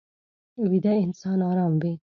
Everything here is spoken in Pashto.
ویده انسان ارام وي